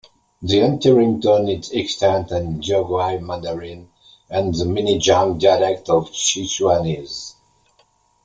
The entering tone is extant in Jianghuai Mandarin and the Minjiang dialect of Sichuanese.